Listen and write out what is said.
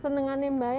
senangannya mbah ya